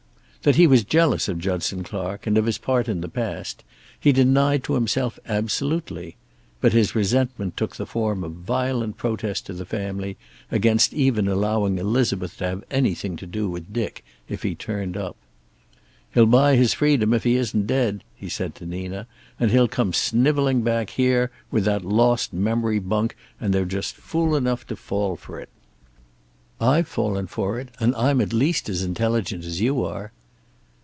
That he was jealous of Judson Clark, and of his part in the past, he denied to himself absolutely. But his resentment took the form of violent protest to the family, against even allowing Elizabeth to have anything to do with Dick if he turned up. "He'll buy his freedom, if he isn't dead," he said to Nina, "and he'll come snivelling back here, with that lost memory bunk, and they're just fool enough to fall for it." "I've fallen for it, and I'm at least as intelligent as you are."